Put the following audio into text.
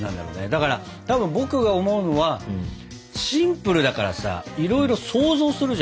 だからたぶん僕が思うのはシンプルだからさいろいろ想像するじゃん。